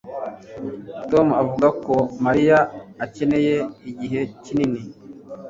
Tom avuga ko Mariya akeneye igihe kinini